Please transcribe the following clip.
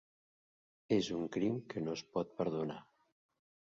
És un crim que no es pot perdonar.